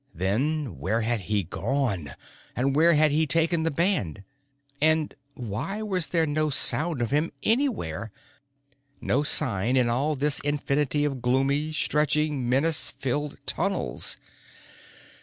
Then where had he gone? And where had he taken the band? And why was there no sound of him anywhere, no sign in all this infinity of gloomy, stretching, menace filled tunnels?